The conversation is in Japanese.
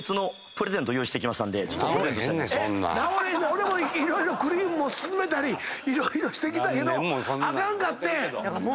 俺も色々クリームを勧めたり色々してきたけどあかんかってん。